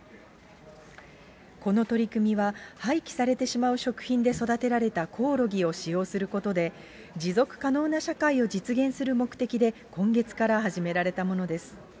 この取り組みは、廃棄されてしまう食品で育てられたコオロギを使用することで、持続可能な社会を実現する目的で、今月から始められたものです。